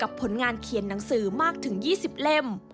ผลงานเขียนหนังสือมากถึง๒๐เล่ม